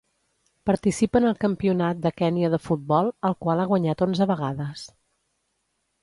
Participa en el Campionat de Kenya de Futbol, el qual ha guanyat onze vegades.